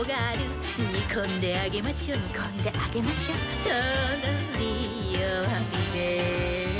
「にこんであげましょにこんであげましょ」「とろりよわびで」